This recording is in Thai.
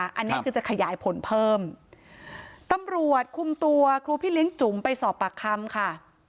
อันนี้คือจะขยายผลเพิ่มตำรวจคุมตัวครูพี่เลี้ยงจุ๋มไปสอบปากคำค่ะ